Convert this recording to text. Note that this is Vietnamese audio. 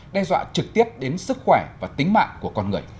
đe dọa trực tiếp đến sức khỏe và tính mạng của con người